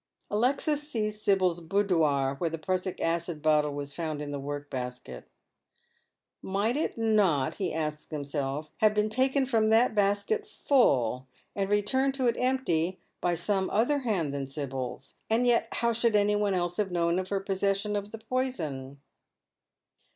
Alexis sees Sibyl's boudoir, where the prussic acid bottle was found in the work basket Might it not, he asks himself, have been taken from that basket full, and returned to it empty, by some other hand than Sibyl's ? And yet how should any one else have known of her possession of the poison